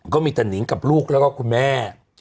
ก็มีแต่นิงกับลูกแล้วก็คุณแม่